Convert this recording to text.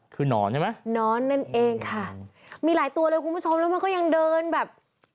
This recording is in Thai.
คือนอนใช่ไหมหนอนนั่นเองค่ะมีหลายตัวเลยคุณผู้ชมแล้วมันก็ยังเดินแบบ